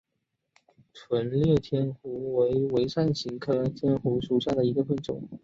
钝裂天胡荽为伞形科天胡荽属下的一个变种。